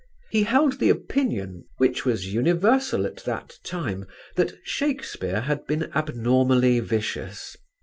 He held the opinion, which was universal at that time, that Shakespeare had been abnormally vicious.